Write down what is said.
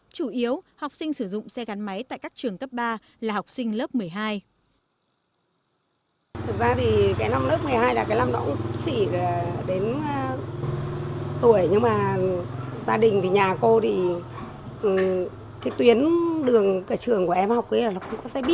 chủ yếu học sinh sử dụng xe gắn máy tại các trường cấp ba là học sinh lớp một mươi hai